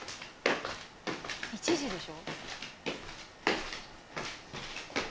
１時でしょ？